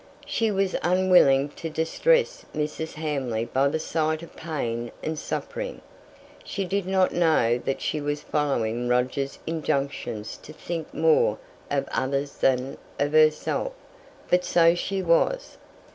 She was unwilling to distress Mrs. Hamley by the sight of pain and suffering. She did not know that she was following Roger's injunction to think more of others than of herself but so she was.